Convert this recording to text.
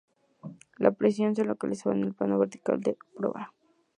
La precesión se localizaba en el plano vertical de proa.